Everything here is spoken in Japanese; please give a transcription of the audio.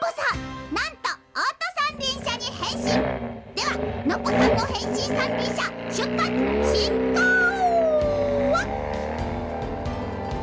ではノッポさんのへんしんさんりんしゃしゅっぱつしんこう！